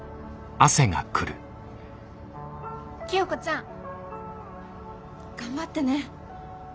清子ちゃん！頑張ってね！